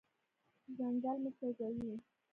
ځنګل مه سوځوئ.